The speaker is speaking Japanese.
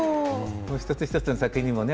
一つ一つの作品にもね